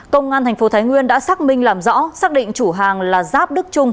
công an tp thái nguyên đã xác minh làm rõ xác định chủ hàng là giáp đức trung